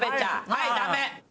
はいダメ！